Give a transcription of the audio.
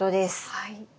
はい。